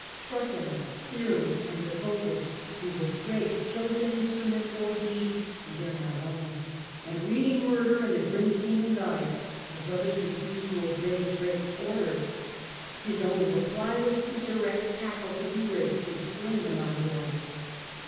Truculent, fearless, and devoted, he was Drake's chosen instrument for deeds he dare not own ; and reading murder in the grim sea man's eyes, the brothers refused to obey Drake's order. His only reply was to direct tackle to be rigged to sling them on board.